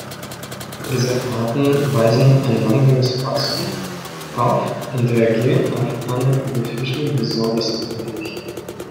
Diese Arten weisen ein langsames Wachstum auf und reagieren auf eine Überfischung besonders empfindlich.